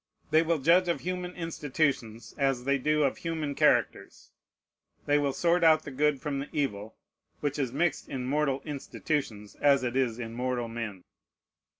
They will judge of human institutions as they do of human characters. They will sort out the good from the evil, which is mixed in mortal institutions as it is in mortal men.